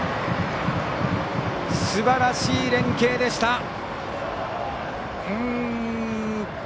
すばらしい連係でした。